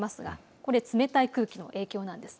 これ冷たい空気の影響なんです。